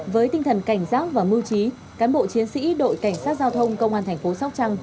với tinh thần cảnh giác và mưu trí cán bộ chiến sĩ đội cảnh sát giao thông công an thành phố sóc trăng